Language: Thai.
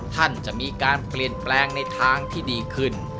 ท่านจะมีการเปลี่ยนแปลงในทางที่ดีขึ้น